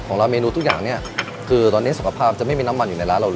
ร้านเมนูทุกอย่างเนี่ยคือตอนนี้สุขภาพจะไม่มีน้ำมันอยู่ในร้านเราเลย